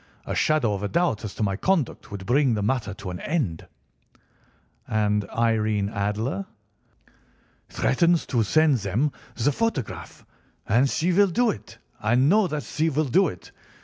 A shadow of a doubt as to my conduct would bring the matter to an end." "And Irene Adler?" "Threatens to send them the photograph. And she will do it. I know that she will do it.